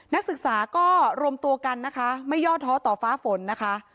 นักศึกษาก็รวมตัวกันนะคะไม่ย่อท้อต่อฟ้าฝนนะคะ